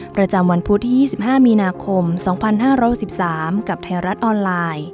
ประจำวันพุธที่๒๕มีนาคม๒๕๖๓กับไทยรัฐออนไลน์